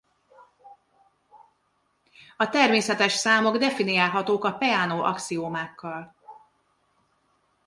A természetes számok definiálhatók a Peano-axiomákkal.